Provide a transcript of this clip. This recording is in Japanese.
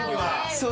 そう。